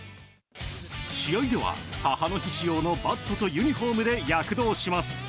試合では、母の日仕様のバットとユニフォームで躍動します。